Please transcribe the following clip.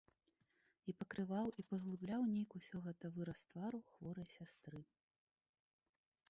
І пакрываў, і паглыбляў нейк усё гэта выраз твару хворай сястры.